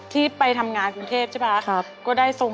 ที่ไปทำงานกับกรุงเทพาใช่หรือเปล่า